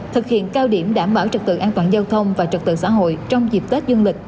thực hiện cao điểm đảm bảo trật tự an toàn giao thông và trật tự xã hội trong dịp tết dương lịch